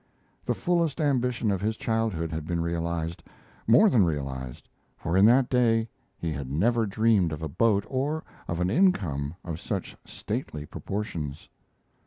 The fullest ambition of his childhood had been realized more than realized, for in that day he had never dreamed of a boat or of an income of such stately proportions.